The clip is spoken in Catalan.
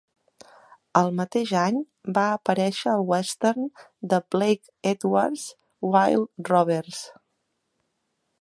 El mateix any va aparèixer al western de Blake Edwards, "Wild Rovers".